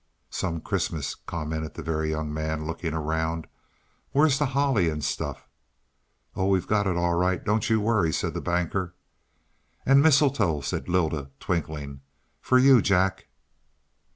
"Some Christmas," commented the Very Young Man looking around. "Where's the holly and stuff?" "Oh, we've got it all right, don't you worry," said the Banker. "And mistletoe," said Lylda, twinkling. "For you, Jack."